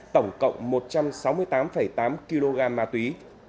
tổng cộng một trăm sáu mươi tám tám kg ma túy